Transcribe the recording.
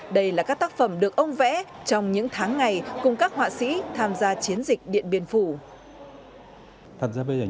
đây là các tác phẩm được ông vẽ trong những tháng ngày cùng các họa sĩ tham gia chiến